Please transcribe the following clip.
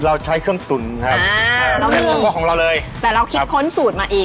เราใช้เครื่องตุ๋นครับเป็นของเราเลยแต่เราคิดพ้นสูตรมาเอง